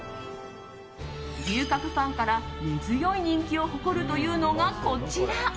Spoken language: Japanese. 牛角ファンから根強い人気を誇るというのが、こちら。